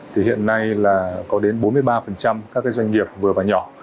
thì hiện nay là có đến bốn mươi ba các doanh nghiệp vừa và nhỏ